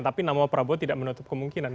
tapi nama prabowo tidak menutup kemungkinan